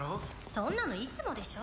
そんなのいつもでしょ